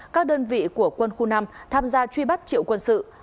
các đơn vị của quân khu năm tham gia truy bắt triệu quân sự